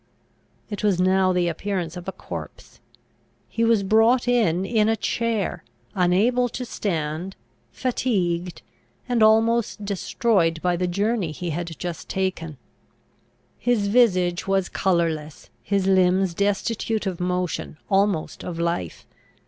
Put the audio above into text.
It was now the appearance of a corpse. He was brought in in a chair, unable to stand, fatigued and almost destroyed by the journey he had just taken. His visage was colourless; his limbs destitute of motion, almost of life.